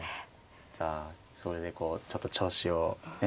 じゃあそれでこうちょっと調子をね